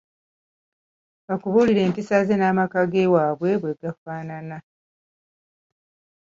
Bakubuulire empisa ze n'amaka ge waabwe bwe gafaanana.